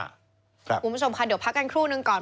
คุณผู้ชมค่ะเดี๋ยวพักกันครู่นึงก่อน